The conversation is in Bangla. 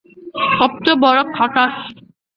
সবচেয়ে বড়ো খাটাশ।